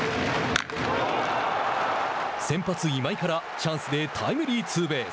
先発今井からチャンスでタイムリーツーベース。